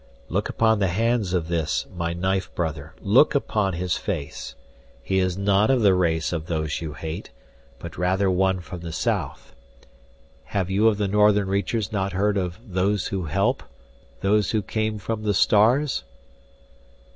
"Look upon the hands of this my knife brother look upon his face. He is not of the race of those you hate, but rather one from the south. Have you of the northern reaches not heard of Those Who Help, Those Who Came From the Stars?"